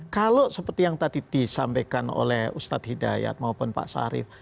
kalau seperti yang tadi disampaikan oleh ustadz hidayat maupun pak sarif